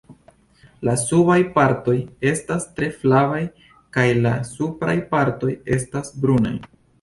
La subaj partoj estas tre flavaj kaj la supraj partoj estas brunaj.